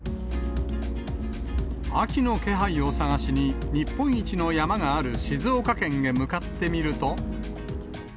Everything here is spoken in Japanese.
秋の気配を探しに、日本一の山がある静岡県へ向かってみると。